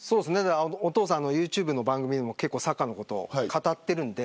お父さんのユーチューブの番組でもサッカーのこと語っているので。